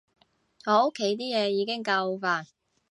我屋企啲嘢已經夠煩